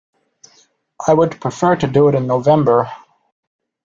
I would prefer to do it in November.